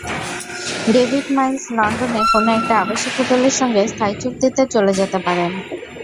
David Miles লন্ডনে কোনো একটা আবাসিক হোটেলের সঙ্গে স্থায়ী চুক্তিতে চলে যেতে পারেন।